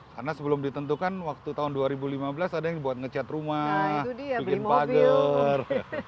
karena sebelum ditentukan waktu tahun dua ribu lima belas ada yang buat ngecat rumah bikin mobil